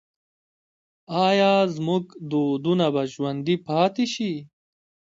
آیا زموږ دودونه به ژوندي پاتې شي؟